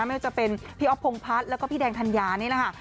ไม่ว่าจะเป็นพี่อ๊อฟพงพัฒน์แล้วก็พี่แดงธัญญานี่แหละค่ะ